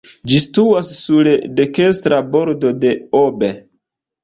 Ĝi situas sur dekstra bordo de Ob.